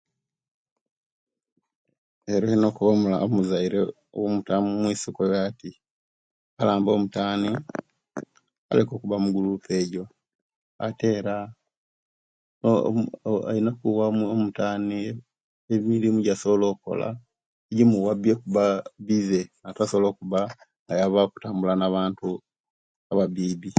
Era olina okoba omuzaire wo mutane omwisuka oyo inti alambi omutaane aleke okuba mugurupu ejjo ate era Alina okuwa omutaane omirimo ejjasobola okukola jimuwa okuba bize natasobola okuba nga ayaba oktambula na'bantu a'babibi